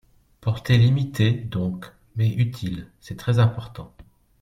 Portée limitée donc, mais utile, c’est très important.